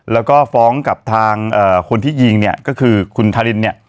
แล้วก็ฟ้องกับทางคนที่ยิงเนี่ยก็คือคุณทารินเนี่ย